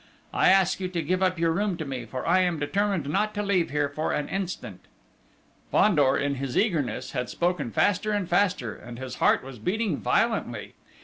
I ask you to give up your room to me, for I am determined not to leave here for an instant!" Fandor, in his eagerness, had spoken faster and faster, and his heart was beating violently.